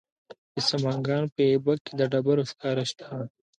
د سمنګان په ایبک کې د ډبرو سکاره شته.